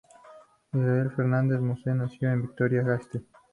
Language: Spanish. Isabel Fernández "Moses" nació en Vitoria-Gasteiz.